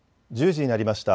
１０時になりました。